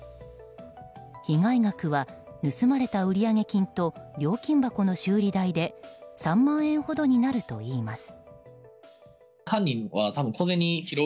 被害額は、盗まれた売上金と料金箱の修理代で３万円ほどになるといいます。